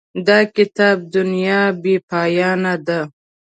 د کتاب دنیا بې پایانه ده.